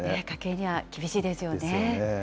家計には厳しいですよね。